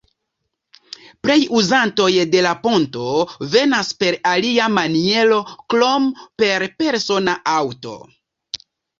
Plej uzantoj de la ponto venas per alia maniero krom per persona aŭto.